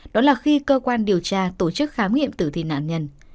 đó là khi cơ quan điều tra tổ chức khám nghiệm tử thi nạn nhân